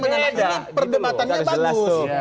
ini perdebatannya bagus